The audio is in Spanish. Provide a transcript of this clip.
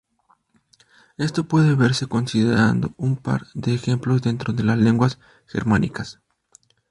Esto puede verse considerando un par de ejemplos dentro de las lenguas germánicas.